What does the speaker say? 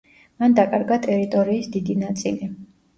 მან დაკარგა ტერიტორიის დიდი ნაწილი.